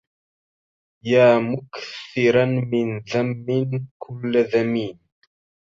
يا مكثرا من ذم كل ذميم